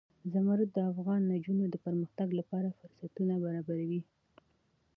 زمرد د افغان نجونو د پرمختګ لپاره فرصتونه برابروي.